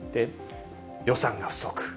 予算が不足。